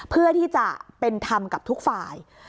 เพื่อที่จะเป็นธรรมกับทุกฝ่าย